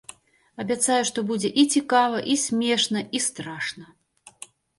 Абяцаю, што будзе і цікава, і смешна, і страшна.